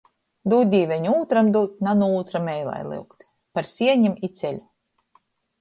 Dūd, Dīveņ, ūtram dūt, na nu ūtra meilai lyugt. Par sienim i ceļu.